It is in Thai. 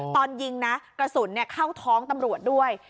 ตอนยิงนะกระสุนเข้าท้องตำรวจด้วย